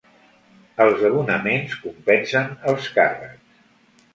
Els abonaments compensen els càrrecs.